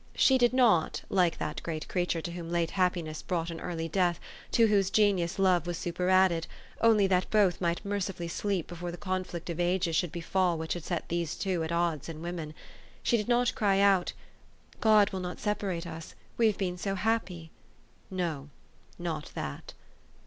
She did not, like that great creature to whom late happiness brought an early death, to whose genius love was superadded, only that both might mercifully sleep before the conflict of ages should befall which has set these two at odds in women, she did not cry out, " God will not separate us, we have been so happij!" No, not that.